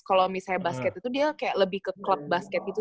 kalau misalnya basket itu dia kayak lebih ke klub basket gitu